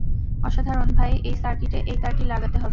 অসাধারণ ভাই - এই সার্কিটে এই তারটি লাগাতে হবে।